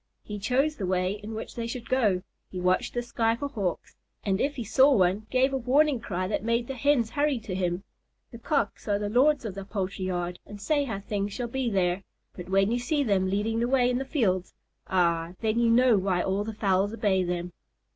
He chose the way in which they should go; he watched the sky for Hawks, and if he saw one, gave a warning cry that made the Hens hurry to him. The Cocks are the lords of the poultry yard and say how things shall be there; but when you see them leading the way in the fields, ah, then you know why all the fowls obey them.